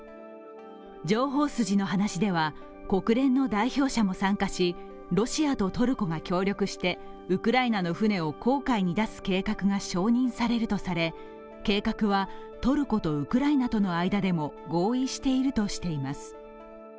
情報筋の話では国連の代表者も参加しロシアとトルコが協力してウクライナの船を公海に出す計画が承認されるとされ、計画はトルコとウクライナとの間でも合意しているとしています